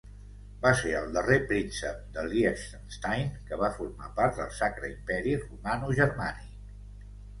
Va ser el darrer príncep de Liechtenstein que va formar part del Sacre Imperi Romanogermànic.